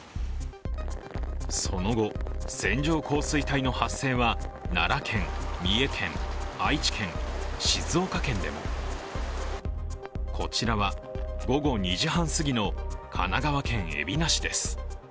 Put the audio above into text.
その後、線状降水帯の発生は奈良県、三重県、愛知県、静岡県でもこちらは午後２時半過ぎの神奈川県海老名市です。